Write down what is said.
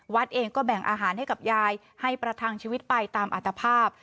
เองก็แบ่งอาหารให้กับยายให้ประทังชีวิตไปตามอัตภาพ